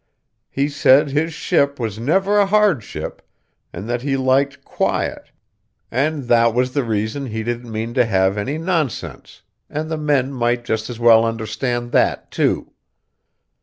He said his ship was never a hard ship, and that he liked quiet, and that was the reason he didn't mean to have any nonsense, and the men might just as well understand that, too.